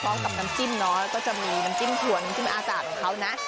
พร้อมกับน้ำจิ้มเนอะแล้วก็จะมีน้ำจิ้มถั่วน้ำจิ้มอากาศของเขานะ